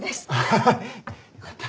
ハハハよかった。